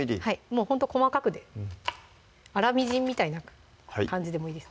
もうほんと細かくで粗みじんみたいな感じでもいいです